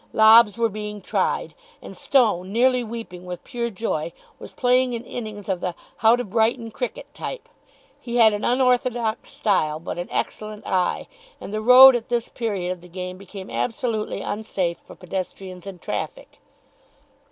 Lobs were being tried, and Stone, nearly weeping with pure joy, was playing an innings of the How to brighten cricket type. He had an unorthodox style, but an excellent eye, and the road at this period of the game became absolutely unsafe for pedestrians and traffic.